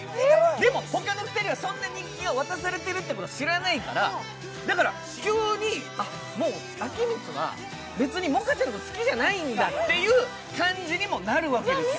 でも、他の２人はそんな日記を渡されてるって知らないからだから急に、もう彰充は別に百華ちゃんのこと好きじゃないんだっていう感じにもなるわけです。